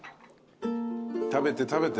食べて食べて。